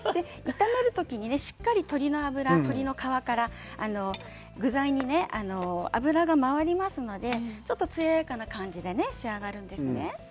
炒めてしっかり鶏の皮、脂から具材に油が回りますのでつややかな感じに仕上がるんですね。